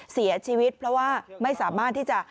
เสียชีวิตเพราะว่าไม่สามารถที่จะ